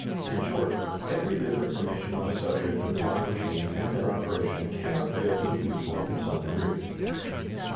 In short, every bit of information on the subject of flying machines and their operation cannot fail to be useful in some degree.